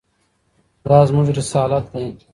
دا زموږ رسالت دی.